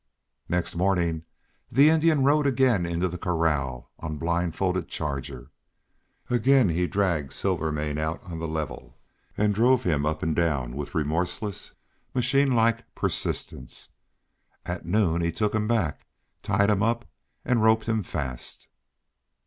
Next morning the Indian rode again into the corral on blindfolded Charger. Again he dragged Silvermane out on the level and drove him up and down with remorseless, machine like persistence. At noon he took him back, tied him up, and roped him fast.